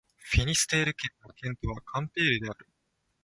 フィニステール県の県都はカンペールである